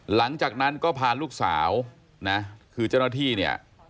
หลังจากนั้นก็พาลูกสาวนะคือเจ้าหน้าที่เนี่ย